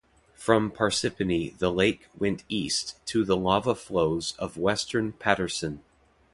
From Parsippany the lake went east to the lava flows of western Paterson.